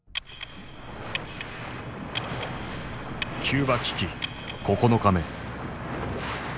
キューバ危機９日目。